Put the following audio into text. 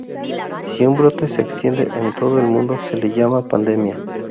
Si un brote se extiende en todo el mundo se le llama pandemia.